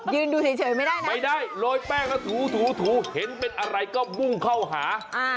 ดูเฉยไม่ได้นะไม่ได้โรยแป้งแล้วถูถูเห็นเป็นอะไรก็มุ่งเข้าหา